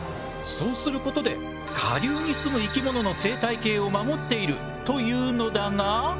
そうすることで下流にすむ生き物の生態系を守っているというのだが。